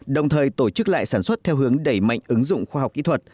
đồng thời tổ chức lại sản xuất theo hướng đẩy mạnh ứng dụng khoa học kỹ thuật